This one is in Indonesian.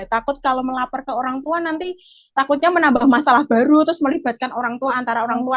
takut kalau melapor ke orang tua nanti takutnya menambah masalah baru terus melibatkan orang tua antara orang tua